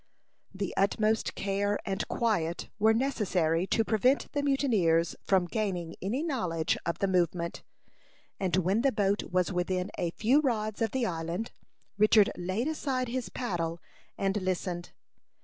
The utmost care and quiet were necessary to prevent the mutineers from gaining any knowledge of the movement; and when the boat was within a few rods of the island, Richard laid aside his paddle and listened.